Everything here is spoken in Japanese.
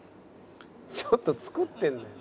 ちょっと作ってるのよ。